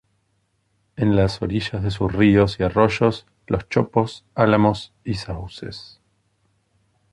En las orillas de sus ríos y arroyos, los chopos, álamos y sauces.